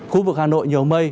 khu vực hà nội nhiều mây